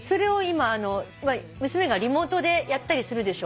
娘がリモートでやったりするでしょ。